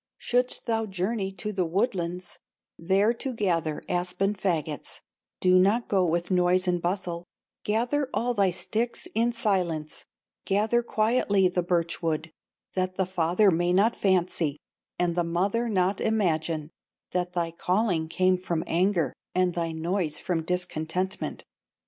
"Shouldst thou journey to the woodlands, There to gather aspen fagots, Do not go with noise and bustle, Gather all thy sticks in silence, Gather quietly the birch wood, That the father may not fancy, And the mother not imagine, That thy calling came from anger, And thy noise from discontentment.